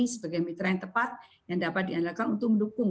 sebagai mitra yang tepat yang dapat diandalkan untuk mendukung